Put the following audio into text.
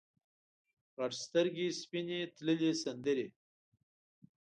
غټ سترګې سپینې تللې سندرې